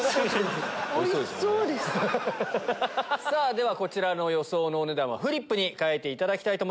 ではこちらの予想のお値段はフリップに書いていただきます。